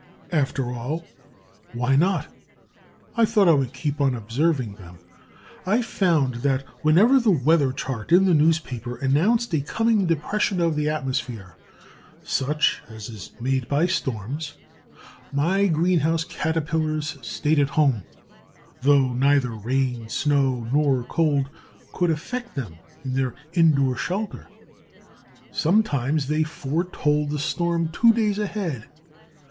After all, why not? I thought I would keep on observing them. I found that whenever the weather chart in the newspaper announced a coming depression of the atmosphere, such as is made by storms, my greenhouse Caterpillars stayed at home, though neither rain, snow, nor cold could affect them in their indoor shelter. Sometimes they foretold the storm two days ahead.